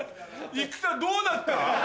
戦どうなった？